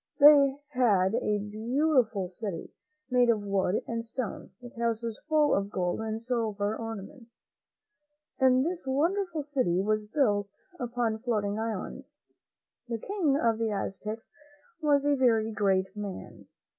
They had a beautiful city made of wood and stone, with houses full of gold and silver ornaments, and this wonderful city was built upon floating islands. The King of the Aztecs was a very great man.